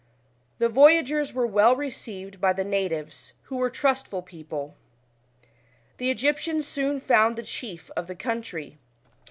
The voyagers were well received by the natives, who were trustful people. The Egyptians soon found the chief of the country.